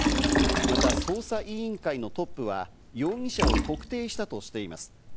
また捜査委員会のトップは容疑者を特定したとしています。